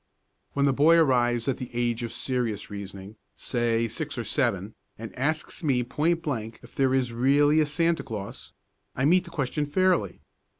When the boy arrives at the age of serious reasoning, say six or seven, and asks me point blank if there is really a Santa Claus, I meet the question fairly.